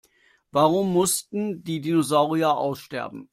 Warum mussten die Dinosaurier aussterben?